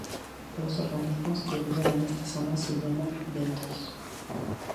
Los organismos que viven en esta zona se llaman bentos.